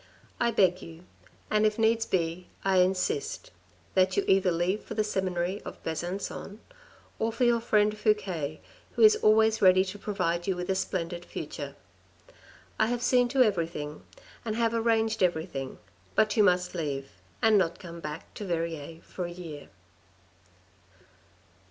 " I beg you, and if needs be I insist, that you either leave for the Seminary of Besancon, or for your friend Fouque, who is always ready to provide you with a splendid future. I have seen to everything and have arranged everything, but you must leave, and not come back to Verrieres for a year."